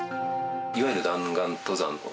いわゆる弾丸登山とか。